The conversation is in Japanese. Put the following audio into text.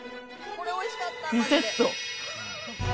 リセット！